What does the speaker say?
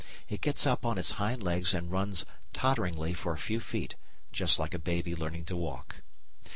It gets up on its hind legs and runs totteringly for a few feet, just like a baby learning to walk.